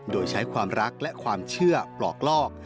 โดยใช้ความรักและความเชื่อปลอกลอก